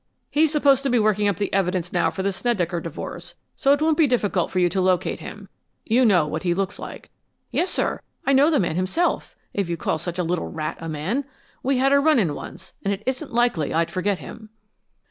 He's supposed to be working up the evidence now for the Snedecker divorce, so it won't be difficult for you to locate him. You know what he looks like." "Yes, sir. I know the man himself if you call such a little rat a man. We had a run in once, and it isn't likely I'd forget him."